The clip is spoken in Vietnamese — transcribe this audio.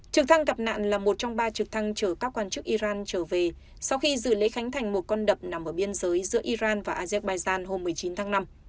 trực thăng gặp nạn là một trong ba trực thăng chở các quan chức iran trở về sau khi dự lễ khánh thành một con đập nằm ở biên giới giữa iran và azerbaijan hôm một mươi chín tháng năm